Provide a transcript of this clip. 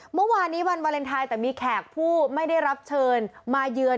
เมื่อวานนี้วันวาเลนไทยแต่มีแขกผู้ไม่ได้รับเชิญมาเยือน